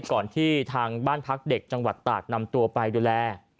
ก่อนที่ทางบ้านพักเด็กจังหวัดตากนำตัวไปดูแล